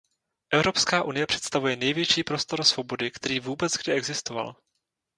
Evropská unie představuje největší prostor svobody, který vůbec kdy existoval.